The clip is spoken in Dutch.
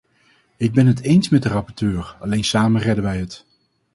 Ik ben het eens met de rapporteur: alleen samen redden wij het!